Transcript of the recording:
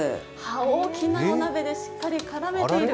大きなお鍋でしっかり絡めている。